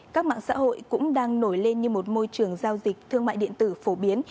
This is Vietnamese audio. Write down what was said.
các mạng xã hội cũng đang nổi lên như một môi trường giao dịch thương mại điện tử phổ biến